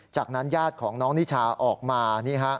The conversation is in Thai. จากนั้นญาติของน้องนิชาออกมา